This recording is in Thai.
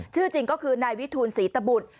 ชื่อจริงก็คือนายวิทูลศรีตบุตร